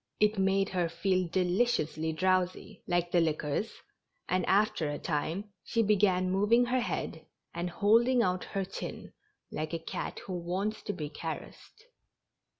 It made her feel deliciously drowsy, like the liquors, and after a time she began moving her head, and holding out her chin, like a cat who wants to be caressed.